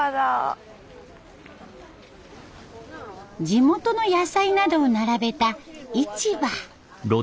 地元の野菜などを並べた市場。